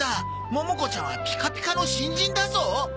モモ子ちゃんはピカピカの新人だぞ！